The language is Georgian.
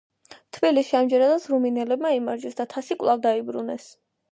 თბილისში ამჯერადაც რუმინელებმა იმარჯვეს და თასი კვლავ დაიბრუნეს.